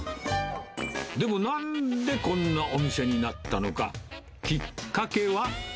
でもなんでこんなお店になったのか、きっかけは。